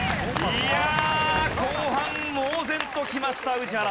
いやあ後半猛然ときました宇治原さんです。